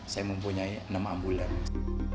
saya mempunyai enam ambulans